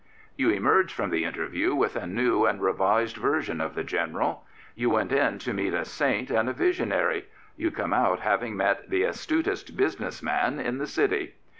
You emerge from the interview with a new and revised version of the General. You went in to meet a saint and a visionary. You come out having met the astutest business man in the city.